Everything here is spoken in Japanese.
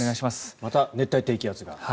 また熱帯低気圧が。